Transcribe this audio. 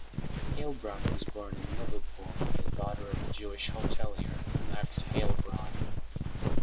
Heilbron was born in Liverpool, the daughter of a Jewish hotelier, Max Heilbron.